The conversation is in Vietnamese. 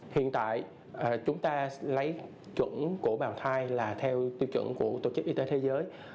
hiện tại chúng ta lấy chuẩn của bào thai là theo tiêu chuẩn của tổ chức y tế thế giới